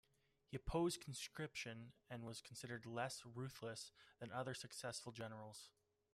He opposed conscription and was considered less ruthless than other successful generals.